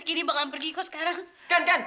kini bangam pergi kok sekarang